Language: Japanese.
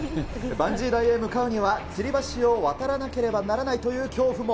バンジー台へ向かうには、つり橋を渡らなければならないという恐怖も。